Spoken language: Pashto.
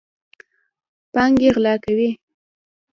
پانګې غلا کوي.